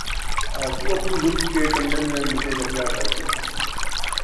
تو اپنی زلف کے کنڈل میں مجھے یکجا کر دے